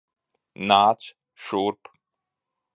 Nāc šurp.